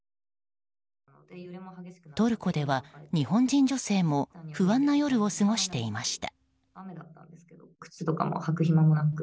トルコでは、日本人女性も不安な夜を過ごしていました。